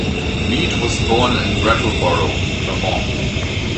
Mead was born in Brattleboro, Vermont.